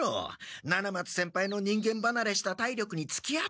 七松先輩の人間ばなれした体力につきあったんだから。